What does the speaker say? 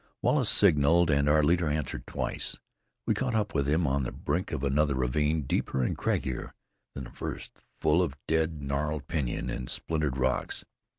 Wallace signaled, and our leader answered twice. We caught up with him on the brink of another ravine deeper and craggier than the first, full of dead, gnarled pinyon and splintered rocks.